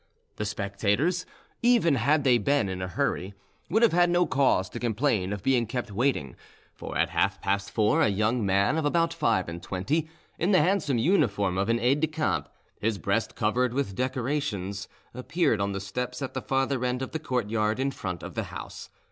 The spectators, even had they been in a hurry, would have had no cause to complain of being kept waiting, for at half past four a young man of about five and twenty, in the handsome uniform of an aide de camp, his breast covered with decorations, appeared on the steps at the farther end of the court yard in front of the house.